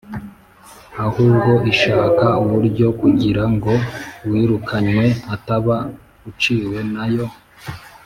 ahubwo ishaka uburyo kugira ngo uwirukanywe ataba uciwe na yo.